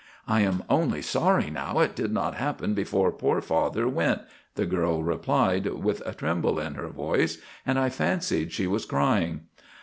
"I am only sorry now it did not happen before poor father went," the girl replied, with a tremble in her voice, and I fancied she was crying.